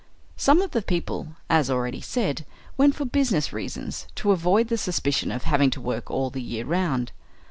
Some of the people, as already said, went for business reasons, to avoid the suspicion of having to work all the year round.